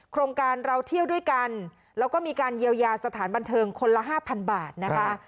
โครงการเราเที่ยวด้วยกันแล้วก็มีการเยียวยาสถานบันเทิงคนละห้าพันบาทนะคะ